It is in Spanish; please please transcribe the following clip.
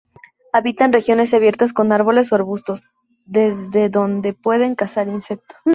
Habitan regiones abiertas con árboles o arbustos, desde donde puede cazar insectos.